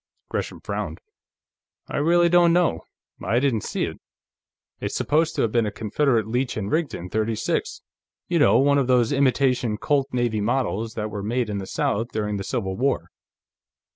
Gresham frowned. "I really don't know; I didn't see it. It's supposed to have been a Confederate Leech & Rigdon .36; you know, one of those imitation Colt Navy Models that were made in the South during the Civil War."